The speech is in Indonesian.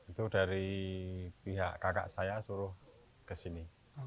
itu dari pihak kakak saya suruh ke sini